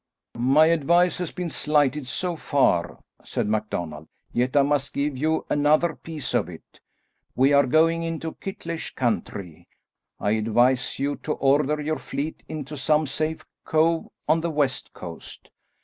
"My advice has been slighted so far," said MacDonald, "yet I must give you another piece of it. We are going into a kittleish country. I advise you to order your fleet into some safe cove on the west coast.